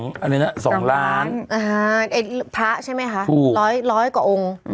พระใช่ไหมคะร้อยกว่าองค์